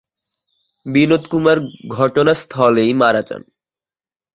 বিনোদ কুমার ঘটনাস্থলেই মারা যান।